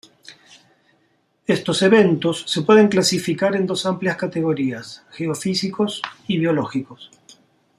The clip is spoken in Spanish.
Estos eventos se pueden clasificar en dos amplias categorías: geofísicos y biológicos.